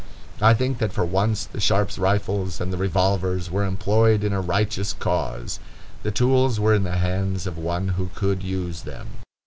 I think that for once the Sharp's rifles and the revolvers were employed in a righteous cause. The tools were in the hands of one who could use them.